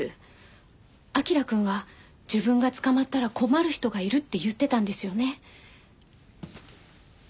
彬くんは自分が捕まったら困る人がいるって言ってたんですよね？